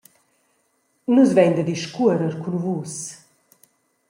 Nus vein da discuorer cun Vus.»